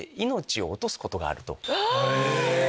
え！